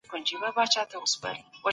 د مسلکي روزنې پروګرامونه اړین دي.